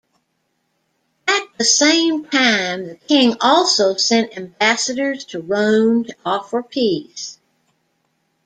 At the same time, the king also sent ambassadors to Rome to offer peace.